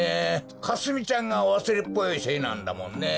かすみちゃんがわすれっぽいせいなんだもんね。